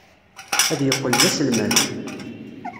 Ad yeqqel d aselmad.